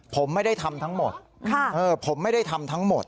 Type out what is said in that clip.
ผมไม่ได้ทำทั้งหมดผมไม่ได้ทำทั้งหมด